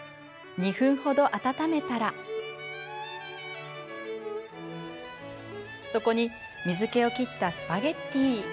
２分ほど温めたらそこに水けを切ったスパゲッティ。